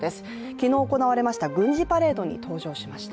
昨日行われました軍事パレードに登場しました。